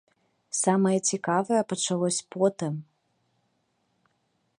Самае цікавае пачалося потым.